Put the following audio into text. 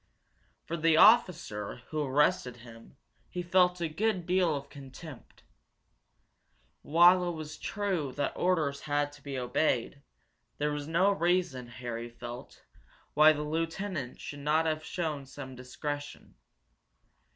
For the officer who had arrested him he felt a good deal of contempt. While it was true that orders had to be obeyed, there was no reason, Harry felt, why the lieutenant should not have shown some discretion.